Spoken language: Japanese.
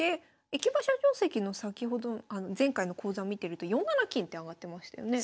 駅馬車定跡の先ほど前回の講座を見てると４七金って上がってましたよね。